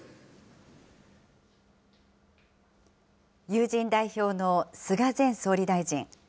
友人代表の菅前総理大臣。